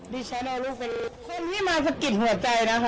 ดิฉันเอารูกเป็นลูกคนที่มาสะกิดหัวใจนะคะวันละสิบเลยค่ะ